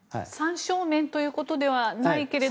３正面ということではないけど。